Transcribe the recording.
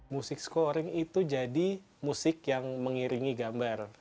music scoring itu jadi musik yang mengirim